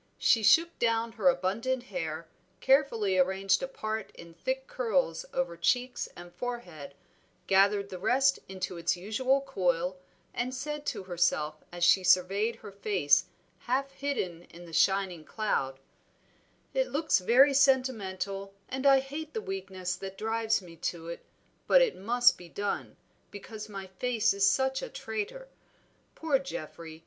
She shook down her abundant hair, carefully arranged a part in thick curls over cheeks and forehead, gathered the rest into its usual coil, and said to herself, as she surveyed her face half hidden in the shining cloud "It looks very sentimental, and I hate the weakness that drives me to it, but it must be done, because my face is such a traitor. Poor Geoffrey!